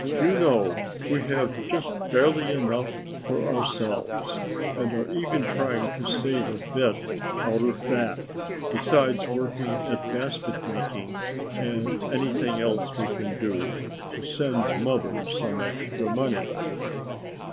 You know we have just barely enough for ourselves and are even trying to save a bit out of that, besides working at basket making and anything else we can do, to send mother some extra money."